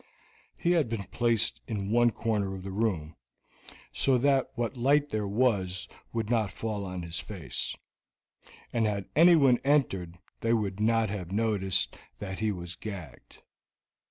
He had been placed in one corner of the room, so that what light there was would not fall on his face, and had anyone entered they would not have noticed that he was gagged.